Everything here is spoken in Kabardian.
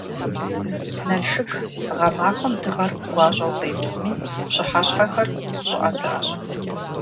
Налшык гъэмахуэм дыгъэр гуащӏэу къепсми, пщыхьэщхьэхэр щӏыӏэтыӏэщ.